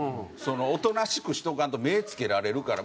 「おとなしくしとかんと目付けられるから」。